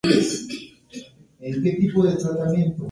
Gildo era moro de nacimiento.